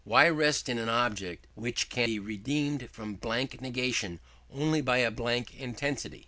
Why rest in an object which can be redeemed from blank negation only by a blank intensity?